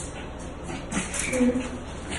其他着作权条约并不要求这种手续。